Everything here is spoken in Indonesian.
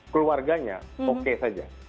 keluarganya oke saja